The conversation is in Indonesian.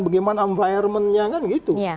bagaimana environmentnya kan gitu